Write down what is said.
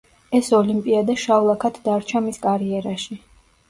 ეს ოლიმპიადა შავ ლაქად დარჩა მის კარიერაში.